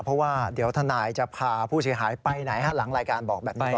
เพราะว่าเดี๋ยวทนายจะพาผู้เสียหายไปไหนหลังรายการบอกแบบนี้ก่อน